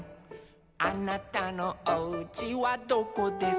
「あなたのおうちはどこですか」